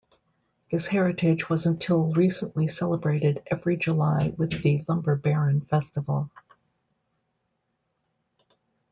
This heritage was until recently celebrated every July with the Lumber Baron Festival.